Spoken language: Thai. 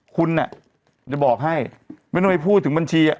คุณจะบอกให้ไม่ต้องไปพูดถึงบัญชีอ่ะ